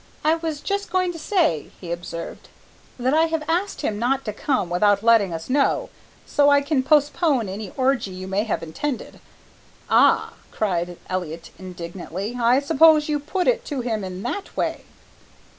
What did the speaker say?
"I was just going to say," he observed, "that I have asked him not to come without letting us know, so I can postpone any orgie you may have intended " "Ah!" cried Elliott indignantly, "I suppose you put it to him in that way."